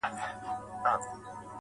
گرانه شاعره لږ څه يخ دى كنه.